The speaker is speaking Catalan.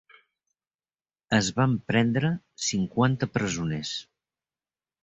Es van prendre cinquanta presoners.